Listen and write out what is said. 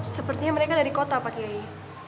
sepertinya mereka dari kota pak kiai